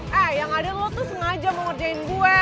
ah yang ada lo tuh sengaja mau ngerjain gue